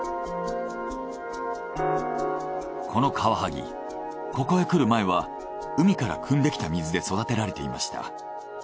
このカワハギここへ来る前は海から汲んできた水で育てられていました。